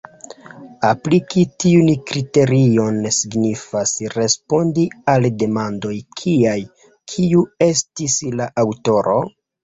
Apliki tiujn kriteriojn signifas respondi al demandoj kiaj: Kiu estis la aŭtoro?